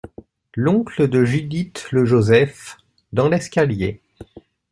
L’oncle de Judith LE JOSEPH : Dans l’escalier !